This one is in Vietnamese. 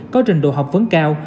có trình độ học vấn cao